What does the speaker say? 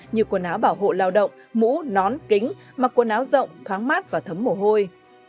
như quần áo bảo hộ lao động mũ nón kính mặc quần áo rộng thoáng mát và thấm mồ hôi